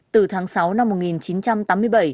từ tháng sáu năm một nghìn chín trăm tám mươi bảy